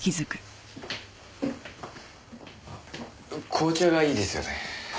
紅茶がいいですよね？